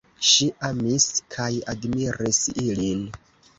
Ŝi amis kaj admiris ilin.